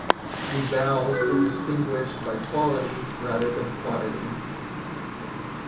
The vowels are distinguished by quality rather than quantity.